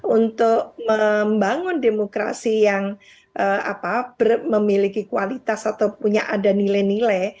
untuk membangun demokrasi yang memiliki kualitas atau punya ada nilai nilai